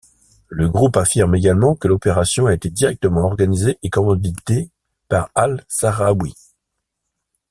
Le groupe affirme également que l'opération a été directement organisée et commanditée par Al-Sahraoui.